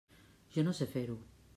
Jo no sé fer-ho.